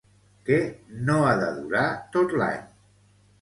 Què no ha de durar tot l'any?